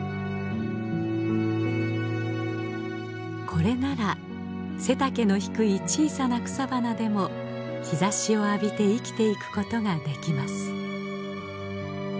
これなら背丈の低い小さな草花でも日ざしを浴びて生きていくことができます。